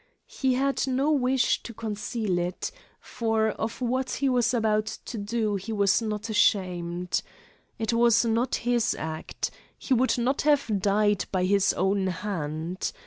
He had no wish to conceal it, for of what he was about to do he was not ashamed. It was not his act. He would not have died "by his own hand."